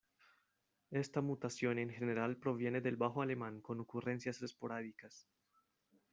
Esta mutación en general proviene del bajo alemán con ocurrencias esporádicas.